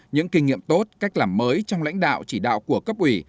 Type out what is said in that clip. những kinh nghiệm tốt cách làm mới trong lãnh đạo chỉ đạo của cấp ủy